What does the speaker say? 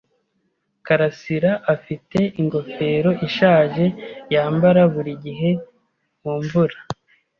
Karasiraafite ingofero ishaje yambara buri gihe mu mvura.